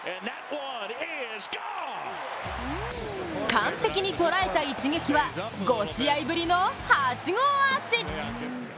完璧に捉えた一撃は５試合ぶりの８号アーチ！